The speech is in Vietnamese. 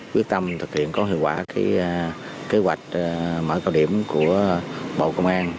quyết tâm thực hiện có hiệu quả kế hoạch mở cao điểm của bộ công an